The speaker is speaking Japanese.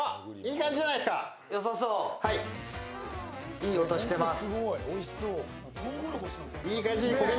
いい音、してます。